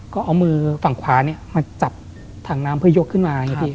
ก็เอามือฝั่งขวานี่มันจับถังน้ำเพื่อยกขึ้นมา